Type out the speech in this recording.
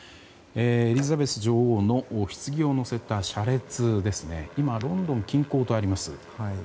エリザベス女王のひつぎを乗せた車列は今、ロンドン近郊とあります。